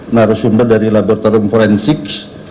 narasumber dari laboratorium forensik